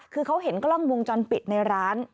คือเขาเห็นกล้องวงจรปิดในร้าน